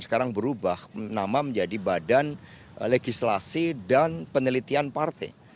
sekarang berubah nama menjadi badan legislasi dan penelitian partai